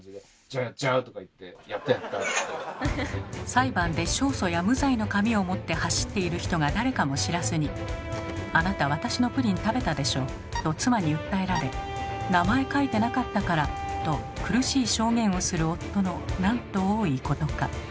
裁判で勝訴や無罪の紙を持って走っている人が誰かも知らずに「あなた私のプリン食べたでしょ」と妻に訴えられ「名前書いてなかったから」と苦しい証言をする夫のなんと多いことか。